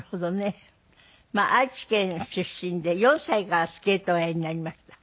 愛知県出身で４歳からスケートをおやりになりました。